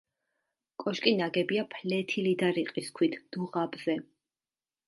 კოშკი ნაგებია ფლეთილი და რიყის ქვით, დუღაბზე.